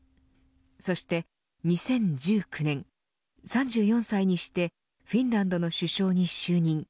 そして、２０１９年３４歳にしてフィンランドの首相に就任。